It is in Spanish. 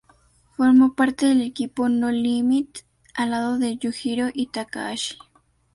Formó parte del equipo "No Limit" a lado de Yujiro Takahashi.